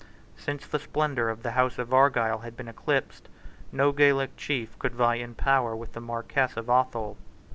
Since the splendour of the House of Argyle had been eclipsed, no Gaelic chief could vie in power with the Marquess of Athol.